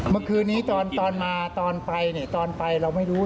มึกคืนนี้ตอนมาตอนไปตอนไปเราไม่รู้